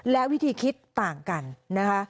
และวิธีคิดต่างกันนะคะ